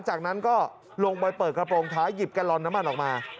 จากนั้นก็ลงไปเปิดกระโปรงท้ายหยิบกะลอนน้ำมันออกมา